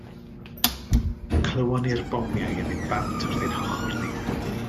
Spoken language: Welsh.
Clywon ni'r bomiau yn mynd bant wrth ein hochr ni